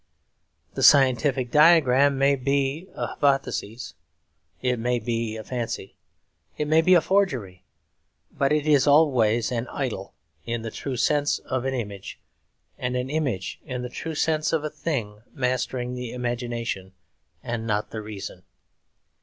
The scientific diagram may be a hypothesis; it may be a fancy; it may be a forgery. But it is always an idol in the true sense of an image; and an image in the true sense of a thing mastering the imagination and not the reason.